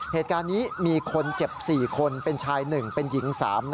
เหตุการณ์นี้มีคนเจ็บ๔คนเป็นชาย๑เป็นหญิง๓